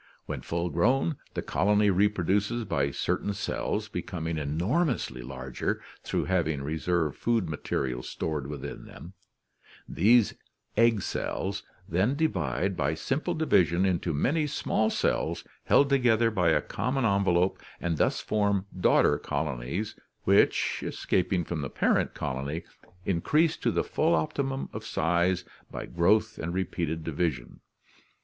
When full grown, the colony re produces by certain cells becoming enor mously larger through having reserve food 0 material stored within them. These "egg cells" then divide by simple division into many small cells held together by a com mon envelope and thus form daughter colo •TV^fai i ™» "to1*. •*&* h°™ *■ P™>' °*»y, Voimx miwr; b, forma increase to the full optimum of size by tion of microgametes growth and repeated division.